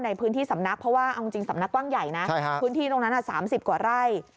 ในพื้นที่สำนักเพราะว่าเอาจริงสำนักกว้างใหญ่นะพื้นที่ตรงนั้น๓๐กว่าไร่